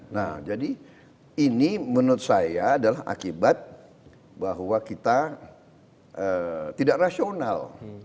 nah jadi ini menurut saya adalah akibat bahwa kita tidak rasional